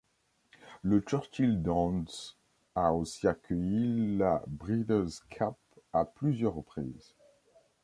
Le Churchill Downs a aussi accueilli la Breeders' Cup à plusieurs reprises.